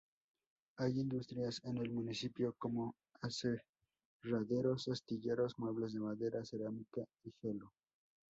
Hay industrias en el municipio como aserraderos, astilleros, muebles de madera, cerámica y gelo.